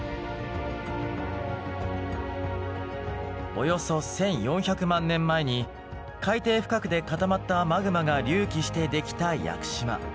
およそ１，４００万年前に海底深くで固まったマグマが隆起してできた屋久島。